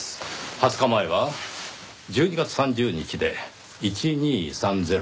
２０日前は１２月３０日で「１２３０」。